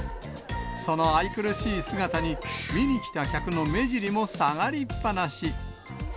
その愛くるしい姿に、見に来た客の目尻も下がりっぱなし。